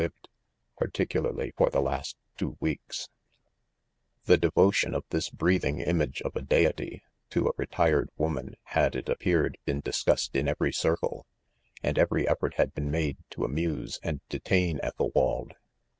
lived, particularly for the last"" two weeks. s6' .114 IDOMEN* 4 The devotion of this breathing image of a deity, to a retired woman, had, it appeared, been discussed in every circle 3 and every ef fort had been made to amuse and detain Eth elwald.